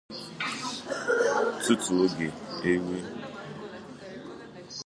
Tutu oge erue